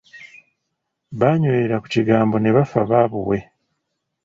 Baanywerera ku kigambo ne bafa ba baabuwe.